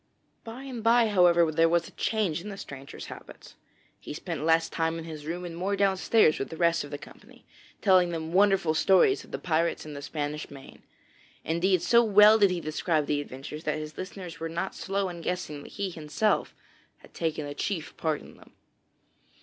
By and bye, however, there was a change in the stranger's habits. He spent less time in his room and more downstairs with the rest of the company, telling them wonderful stories of the pirates in the Spanish Main. Indeed, so well did he describe the adventures that his listeners were not slow in guessing that he had himself taken a chief part in them.